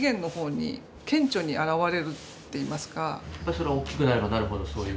それは大きくなればなるほどそういう。